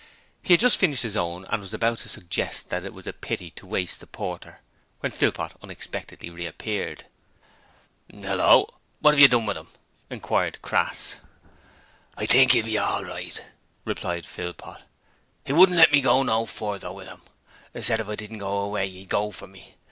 He had just finished his own and was about to suggest that it was a pity to waste the porter when Philpot unexpectedly reappeared. 'Hullo! What 'ave you done with 'im?' inquired Crass. 'I think 'e'll be all right,' replied Philpot. 'He wouldn't let me go no further with 'im: said if I didn't go away, 'e'd go for me!